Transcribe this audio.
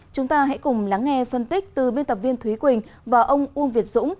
chúng ta hãy cùng lắng nghe phân tích từ biên tập viên thúy quỳnh và ông uông việt dũng